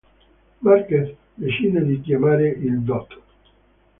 Marquez decide di chiamare il dott.